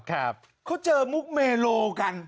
เขาเจอมุกเมโลกัน